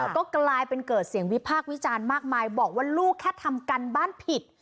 ก็กลายเป็นเกิดเสียงวิพากษ์วิจารณ์มากมายบอกว่าลูกแค่ทำการบ้านผิด